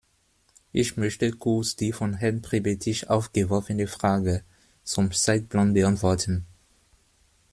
Ich möchte kurz die von Herrn Pribetich aufgeworfene Frage zum Zeitplan beantworten.